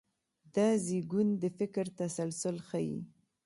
دا زېږون د فکر تسلسل ښيي.